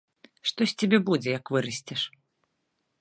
Што з цябе будзе, як вырасцеш?